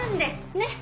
ねっ。